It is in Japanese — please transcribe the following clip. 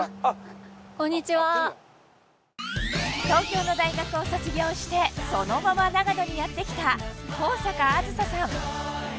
こんにちは東京の大学を卒業してそのまま長野にやって来た高坂梓さん